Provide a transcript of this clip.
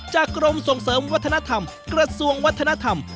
กรมส่งเสริมวัฒนธรรมกระทรวงวัฒนธรรม